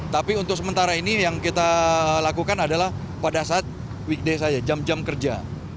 tapi untuk sementara ini yang kita lakukan adalah pada saat weekday saja jam jam kerja